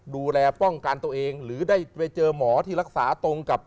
ดูแลป้องกันตัวเองหรือได้ไปเจอหมอที่รักษาตรงกับ